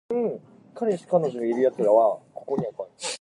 Many of these classes were intended to support the Rokugan campaign setting.